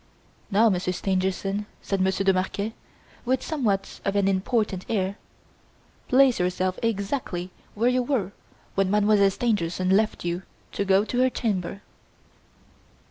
"Now, Monsieur Stangerson," said Monsieur de Marquet, with somewhat of an important air, "place yourself exactly where you were when Mademoiselle Stangerson left you to go to her chamber."